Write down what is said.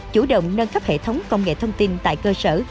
chủ động nâng cấp hệ thống công nghệ thông tin tại cơ sở